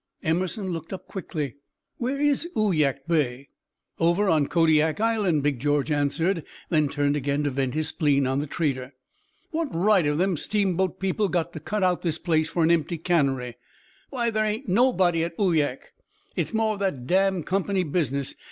Emerson looked up quickly, "Where is Uyak Bay?" "Over on Kodiak Island," Big George answered; then turned again to vent his spleen on the trader. "What right have them steamboat people got to cut out this place for an empty cannery? Why, there ain't nobody at Uyak. It's more of that damned Company business.